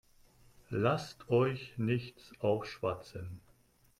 Lasst euch nichts aufschwatzen.